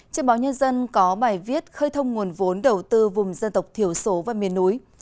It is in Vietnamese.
trên báo nhân dân có bài viết khơi thông nguồn vốn đầu tư vùng dân tộc thiểu số và miền núi